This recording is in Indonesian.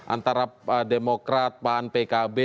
antara demokrat pan pkb